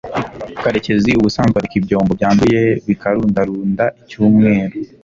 karekezi ubusanzwe areka ibyombo byanduye bikarundarunda icyumweru